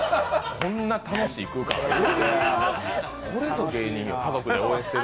こんな楽しい空間ある？